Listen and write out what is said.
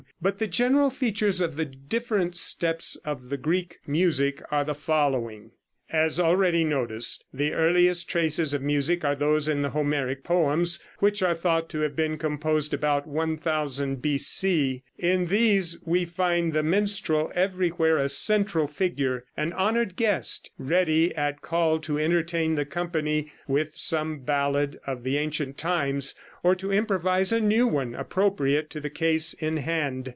But the general features of the different steps in the Greek music are the following: As already noticed, the earliest traces of music are those in the Homeric poems, which are thought to have been composed about 1000 B.C. In these we find the minstrel everywhere a central figure, an honored guest, ready at call to entertain the company with some ballad of the ancient times, or to improvise a new one appropriate to the case in hand.